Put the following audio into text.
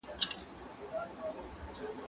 هغه څوک چي کار کوي منظم وي؟